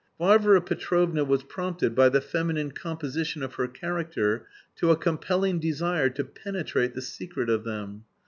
Varvara Petrovna was prompted by the feminine composition of her character to a compelling desire to penetrate the secret of them.